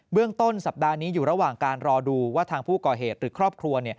เรื่องต้นสัปดาห์นี้อยู่ระหว่างการรอดูว่าทางผู้ก่อเหตุหรือครอบครัว